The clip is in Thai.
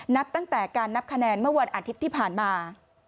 นับตั้งแต่การนับคะแนนเมื่อวันอาทิตย์ที่ผ่านมา